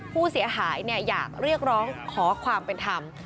ผู้เสียหายอยากเรียกร้องขอความเป็นธรรม